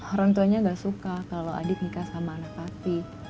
orang tuanya nggak suka kalau adit nikah sama anak pak pi